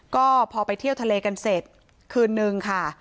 ก็พอไปเที่ยวทะเลกันเสร็จคืนนึงค่ะ